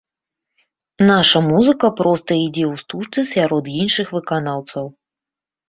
Наша музыка проста ідзе ў стужцы сярод іншых выканаўцаў.